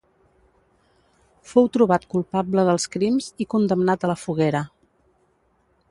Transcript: Fou trobat culpable dels crims i condemnat a la foguera.